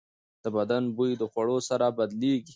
د بدن بوی د خوړو سره بدلېږي.